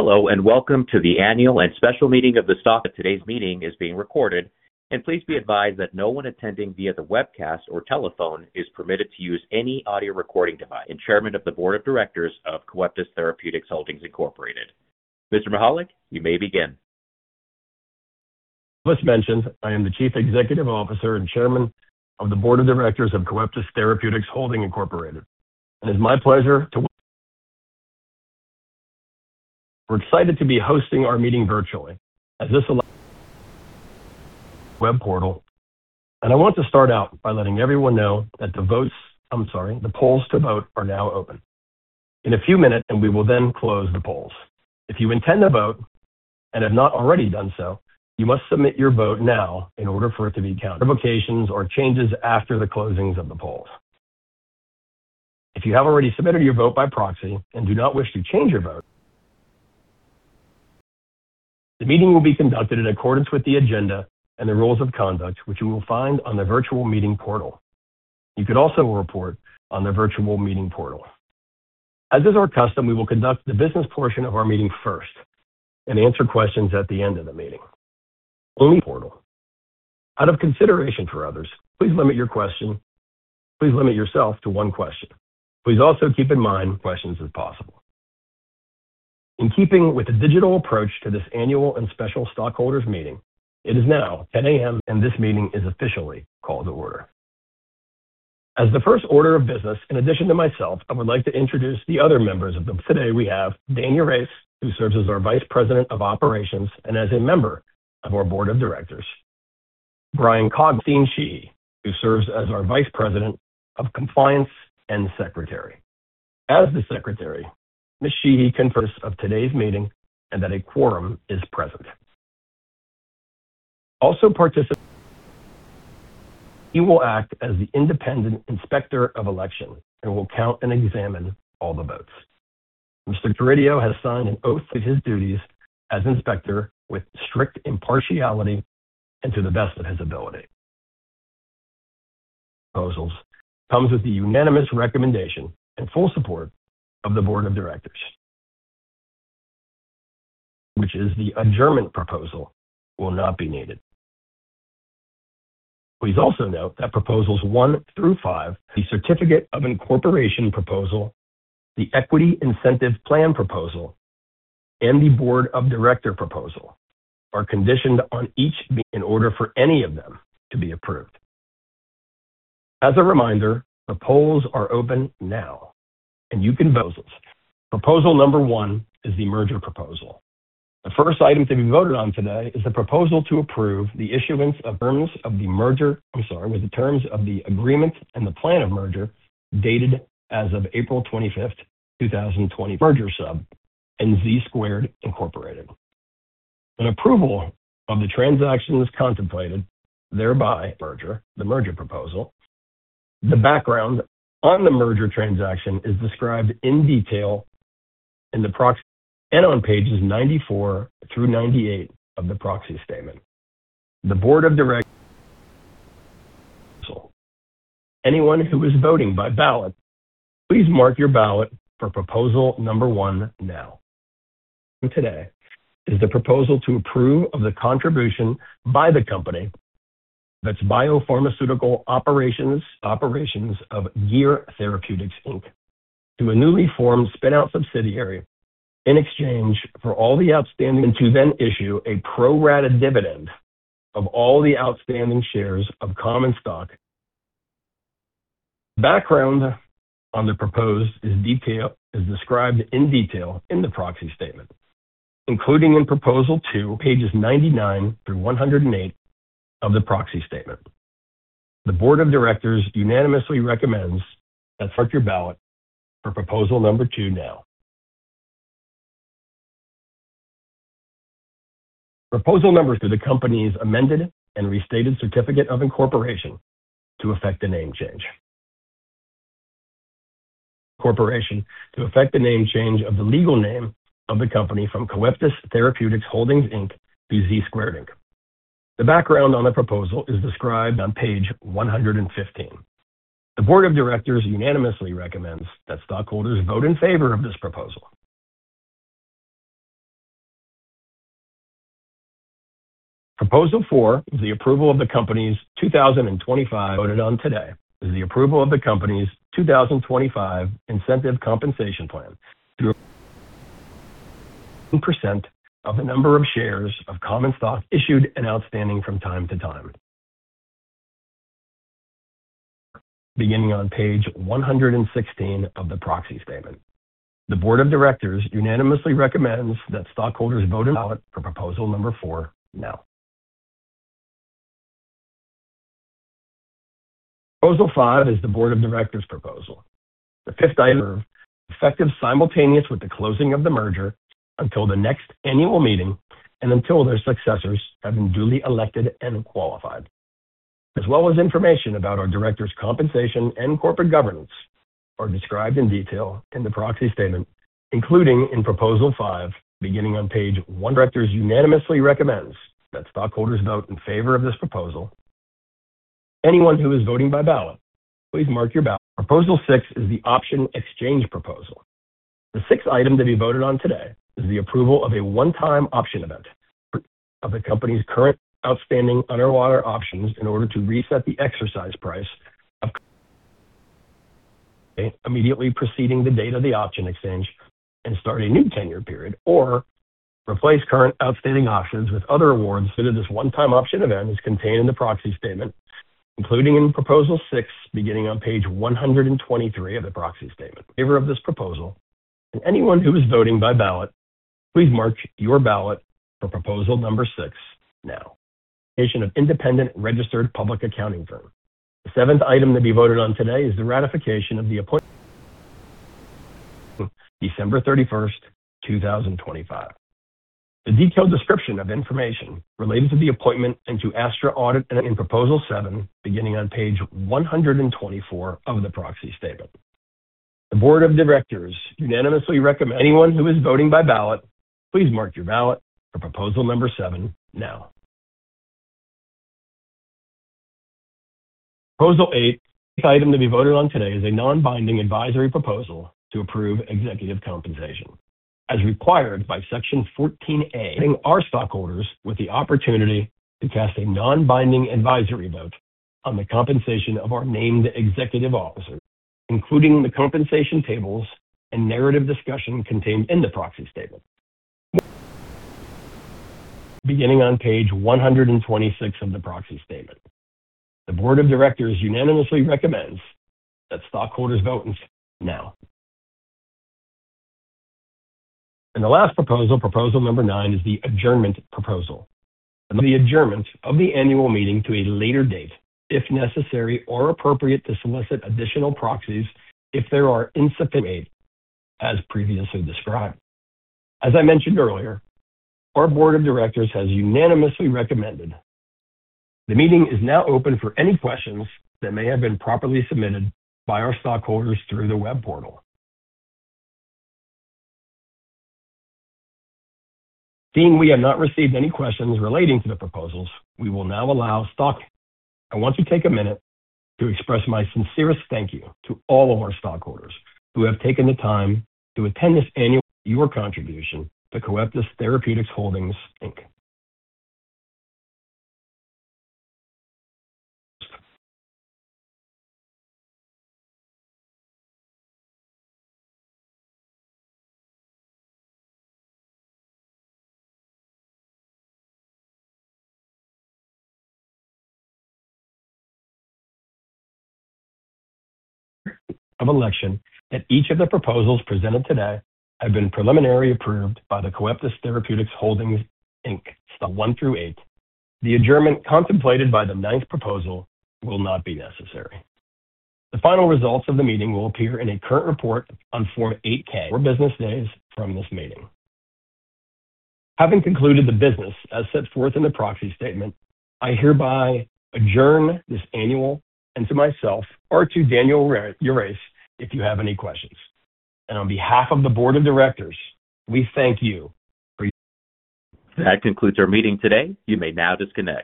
Hello, and welcome to the Annual and Special Meeting of the Stockholders. Today's meeting is being recorded, and please be advised that no one attending via the webcast or telephone is permitted to use any audio recording device. Chairman of the Board of Directors of Coeptis Therapeutics Holdings Incorporated. Mr. Mehalick, you may begin. As mentioned, I am the Chief Executive Officer and Chairman of the Board of Directors of Coeptis Therapeutics Holdings Incorporated, and it's my pleasure to... We're excited to be hosting our meeting virtually, as this allows... Web portal, and I want to start out by letting everyone know that the votes... I'm sorry. The polls to vote are now open. In a few minutes, and we will then close the polls. If you intend to vote and have not already done so, you must submit your vote now in order for it to be counted. Revocations or changes after the closings of the polls. If you have already submitted your vote by proxy and do not wish to change your vote... The meeting will be conducted in accordance with the agenda and the rules of conduct, which you will find on the virtual meeting portal. You can also report on the virtual meeting portal. As is our custom, we will conduct the business portion of our meeting first and answer questions at the end of the meeting. Portal. Out of consideration for others, please limit your question. Please limit yourself to one question. Please also keep in mind questions as possible. In keeping with the digital approach to this annual and special stockholders meeting, it is now 10:00 A.M., and this meeting is officially called to order. As the first order of business, in addition to myself, I would like to introduce the other members of the. Today, we have Dan Yerace, who serves as our Vice President of Operations and as a member of our Board of Directors. Brian Cogley, Christine Sheehy, who serves as our Vice President of Compliance and Secretary. As the Secretary, Ms. Sheehy of today's meeting and that a quorum is present. Also, participate. He will act as the independent inspector of election and will count and examine all the votes. Mr. [Tirolo] has signed an oath of his duties as inspector with strict impartiality and to the best of his ability. Proposals comes with the unanimous recommendation and full support of the board of directors. Which is the adjournment proposal, will not be needed. Please also note that proposals one through five, the Certificate of Incorporation proposal, the Equity Incentive Plan proposal, and the Board of Directors proposal, are conditioned on each in order for any of them to be approved. As a reminder, the polls are open now, and you can vote. Proposal number one is the merger proposal. The first item to be voted on today is the proposal to approve the issuance of terms of the merger. I'm sorry, with the terms of the Agreement and Plan of Merger, dated as of April 25, 2020. Merger Sub and Z Squared Inc. An approval of the transaction is contemplated, thereby merger, the merger proposal. The background on the merger transaction is described in detail in the proxy, and on pages 94 through 98 of the proxy statement. The board of directors... Anyone who is voting by ballot, please mark your ballot for proposal number 1 now. Today is the proposal to approve of the contribution by the company that's biopharmaceutical operations, operations of Gear Therapeutics, Inc, to a newly formed spin-out subsidiary in exchange for all the outstanding, and to then issue a pro-rata dividend of all the outstanding shares of common stock. Background on the proposed is detail, is described in detail in the proxy statement, including in proposal two, pages 99 through 108 of the proxy statement. The board of directors unanimously recommends that... Mark your ballot for proposal number two now. Proposal number... To the company's amended and restated certificate of incorporation to effect the name change. Corporation to effect the name change of the legal name of the company from Coeptis Therapeutics Holdings, Inc to Z Squared Inc. The background on the proposal is described on page 115. The board of directors unanimously recommends that stockholders vote in favor of this proposal. Proposal four is the approval of the company's 2025. Voted on today is the approval of the company's 2025 incentive compensation plan through... Percent of the number of shares of common stock issued and outstanding from time to time. Beginning on page 116 of the proxy statement. The board of directors unanimously recommends that stockholders vote in ballot for proposal number four now. Proposal five is the board of directors proposal. The fifth item, effective simultaneous with the closing of the merger until the next annual meeting and until their successors have been duly elected and qualified, as well as information about our directors' compensation and corporate governance, are described in detail in the proxy statement, including in proposal five, beginning on page 1. Directors unanimously recommends that stockholders vote in favor of this proposal.... Anyone who is voting by ballot, please mark your ballot. Proposal six is the option exchange proposal. The sixth item to be voted on today is the approval of a one-time option event of the company's current outstanding underwater options in order to reset the exercise price of, immediately preceding the date of the option exchange and start a new tenure period, or replace current outstanding options with other awards under this one-time option event is contained in the proxy statement, including in Proposal Six, beginning on page 123 of the proxy statement. In favor of this proposal, and anyone who is voting by ballot, please mark your ballot for proposal number six now. Of independent registered public accounting firm. The seventh item to be voted on today is the ratification of the appointment, December 31, 2025. The detailed description of information related to the appointment and to Astra Audit in Proposal Seven, beginning on page 124 of the proxy statement. The board of directors unanimously recommends. Anyone who is voting by ballot, please mark your ballot for proposal number seven now. Proposal eight. Item to be voted on today is a non-binding advisory proposal to approve executive compensation. As required by Section 14A, giving our stockholders with the opportunity to cast a non-binding advisory vote on the compensation of our named executive officers, including the compensation tables and narrative discussion contained in the proxy statement. Beginning on page 126 of the proxy statement. The board of directors unanimously recommends that stockholders vote now. The last proposal, proposal number nine, is the adjournment proposal. The adjournment of the annual meeting to a later date, if necessary or appropriate, to solicit additional proxies if there are insufficient... as previously described. As I mentioned earlier, our board of directors has unanimously recommended... The meeting is now open for any questions that may have been properly submitted by our stockholders through the web portal. Seeing we have not received any questions relating to the proposals, we will now allow stock-- I want to take a minute to express my sincerest thank you to all of our stockholders who have taken the time to attend this annual. Your contribution to Coeptis Therapeutics Holdings, Inc. of election, that each of the proposals presented today have been preliminarily approved by the Coeptis Therapeutics Holdings, Inc start one through eight. The adjournment contemplated by the ninth proposal will not be necessary. The final results of the meeting will appear in a current report on Form 8-K four business days from this meeting. Having concluded the business as set forth in the proxy statement, I hereby adjourn this annual, and to myself or to Daniel Yerace if you have any questions. On behalf of the board of directors, we thank you for your- That concludes our meeting today. You may now disconnect.